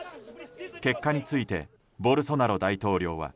結果についてボルソナロ大統領は。